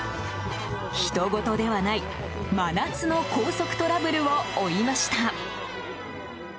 ひとごとではない真夏の高速トラブルを追いました。